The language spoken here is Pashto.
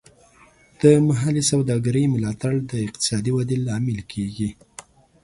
د محلي سوداګرۍ ملاتړ د اقتصادي ودې لامل کیږي.